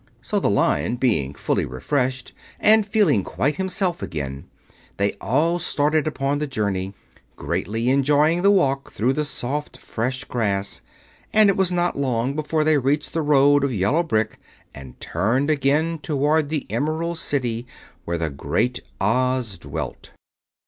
So, the Lion being fully refreshed, and feeling quite himself again, they all started upon the journey, greatly enjoying the walk through the soft, fresh grass; and it was not long before they reached the road of yellow brick and turned again toward the Emerald City where the Great Oz dwelt.